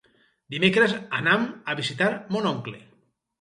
Dimecres anam a visitar mon oncle.